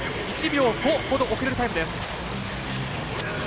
１秒５ほど遅れるタイムです。